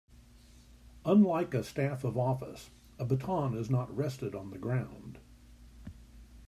Unlike a staff of office, a baton is not rested on the ground.